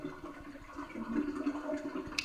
তিনি কালচক্র সম্বন্ধে শিক্ষালাভ করেন।